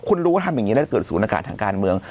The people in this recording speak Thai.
คุณรู้ว่าทำอย่างนี้แล้วถ้าเกิดศูนย์อากาศทางการเมือง